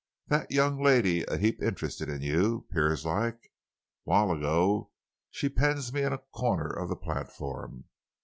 "That young lady a heap interested in you, 'pears like. While ago she pens me in a corner of the platform.